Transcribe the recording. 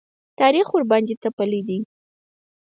تاریخ ورباندې تپلی دی.